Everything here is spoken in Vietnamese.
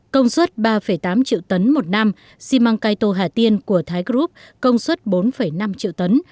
công suất ba tám triệu tấn một năm xi măng caito hà tiên của thái group công suất bốn năm triệu tấn